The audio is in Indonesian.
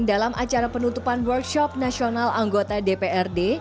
dalam acara penutupan workshop nasional anggota dprd